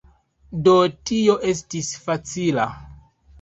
Do tio estis facila.